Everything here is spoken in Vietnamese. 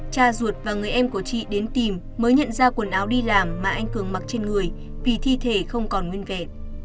cha ruột và người em của chị đến tìm mới nhận ra quần áo đi làm mà anh cường mặc trên người vì thi thể không còn nguyên vẹn